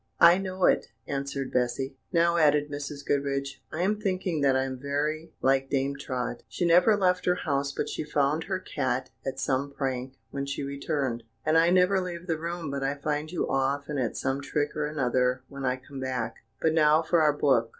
"I know it," answered Bessy. "Now," added Mrs. Goodriche, "I am thinking that I am very like Dame Trot; she never left her house but she found her cat at some prank when she returned, and I never leave the room but I find you off and at some trick or another when I come back; but now for our book."